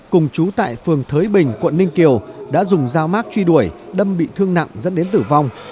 cùng chú tại phường thới bình quận ninh kiều đã dùng dao mác truy đuổi đâm bị thương nặng dẫn đến tử vong